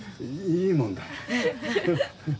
いいもんだ。